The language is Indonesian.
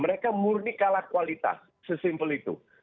mereka murni kalah kualitas sesimpel itu